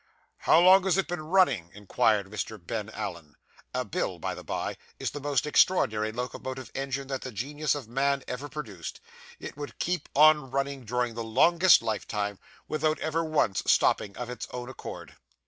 How long has it been running?' inquired Mr. Ben Allen. A bill, by the bye, is the most extraordinary locomotive engine that the genius of man ever produced. It would keep on running during the longest lifetime, without ever once stopping of its own accord.